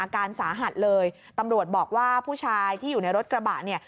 การสาหัสเลยตำรวจบอกว่าผู้ชายที่อยู่ในรถกระบะเนี่ย